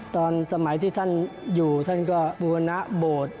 ตอนสมัยที่ท่านอยู่ท่านก็บูรณะโบสถ์